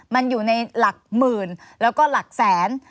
มันอยู่ในหลักหมื่นแล้วก็หลักแสน